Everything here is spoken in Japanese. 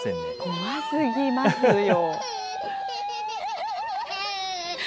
怖すぎますよ。